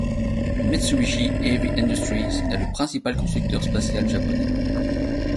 Mitsubishi Heavy Industries est le principal constructeur spatial japonais.